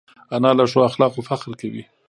انا له ښو اخلاقو فخر کوي